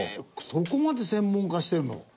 そこまで専門化してるの？